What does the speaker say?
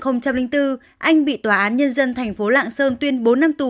năm hai nghìn bốn anh bị tòa án nhân dân tp lạng sơn tuyên bố nâm tù